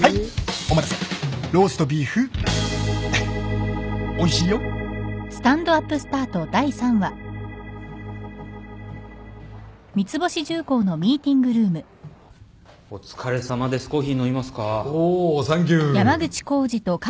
おおサンキュー。